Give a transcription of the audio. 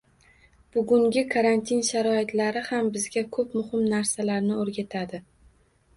Bugungi karantin sharoitlari ham bizga ko'p muhim narsalarni o'rgatadi